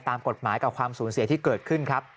ตามกฎหมายกับความสูญเสียที่เกิดขึ้นครับ